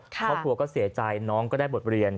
ครอบครัวก็เสียใจน้องก็ได้บทเรียน